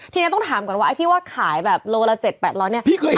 ทีนี้ต้องถามก่อนว่าไอ้ที่ว่าขายแบบโลละ๗๘๐๐เนี่ย